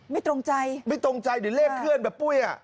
ไม่ตรงใจไม่ตรงใจเดี๋ยวเลขเคลื่อนแบบปุ้ยอ่ะ